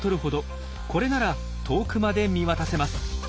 これなら遠くまで見渡せます。